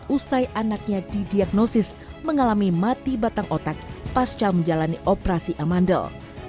usai anaknya didiagnosis mengalami mati batang otak pasca menjalani operasi amandel